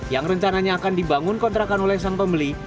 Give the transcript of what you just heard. yang rencananya akan dibangun kontrakan oleh sang pembeli